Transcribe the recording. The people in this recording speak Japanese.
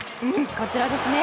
こちらですね。